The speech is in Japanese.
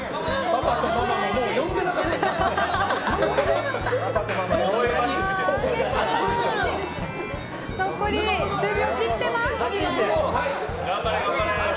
パパとママもう呼んでなかった。